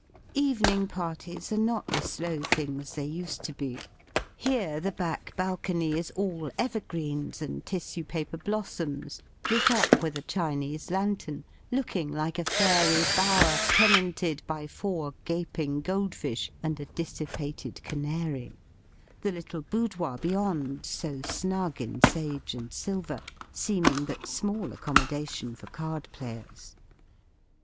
Evening parties are not the slow things they used to be: here the back balcony is all evergreens and tissue paper blossoms, lit up with a Chinese lanthorn looking like a fairy bower, tenanted by four gaping gold fish and a dissipated canary; the little boudoir, beyond, so snug in sage and silver, seeming but small accommodation for card players.